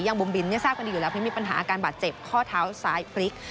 บุ๋มบินทราบกันดีอยู่แล้วเพราะมีปัญหาอาการบาดเจ็บข้อเท้าซ้ายพลิก